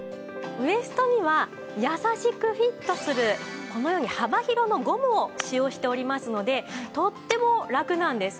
ウエストには優しくフィットするこのように幅広のゴムを使用しておりますのでとってもラクなんです。